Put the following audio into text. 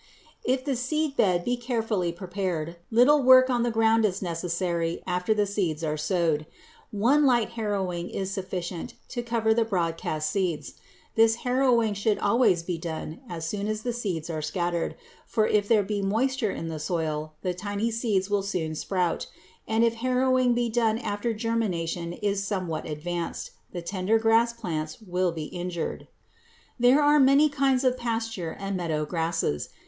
If the seed bed be carefully prepared, little work on the ground is necessary after the seeds are sowed. One light harrowing is sufficient to cover the broadcast seeds. This harrowing should always be done as soon as the seeds are scattered, for if there be moisture in the soil the tiny seeds will soon sprout, and if the harrowing be done after germination is somewhat advanced, the tender grass plants will be injured. There are many kinds of pasture and meadow grasses.